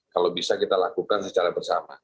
kalau bisa kita lakukan secara bersama